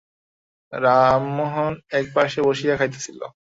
রামমােহনও এক পার্শ্বে বসিয়া খাইতেছিল।